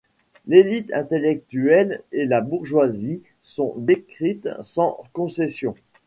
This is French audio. L'élite intellectuelle et la bourgeoisie sont décrites sans concession.